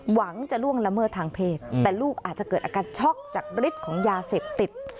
หวังจะล่วงละเมิดทางเพศแต่ลูกอาจจะเกิดอาการช็อกจากฤทธิ์ของยาเสพติด